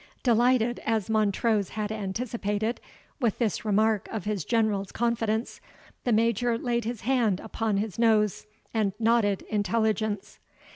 Delighted, as Montrose had anticipated, with this mark of his General's confidence, the Major laid his hand upon his nose, and nodded intelligence.